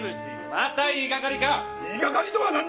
また言いがかりか！